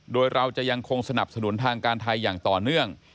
โดยเราจะยังคงสนับสนุนทางการไทยอย่างต่อเนื่อง